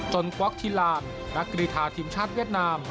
กวักทีลานนักกรีธาทีมชาติเวียดนาม